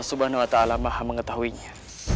allah swt maha mengetahuinya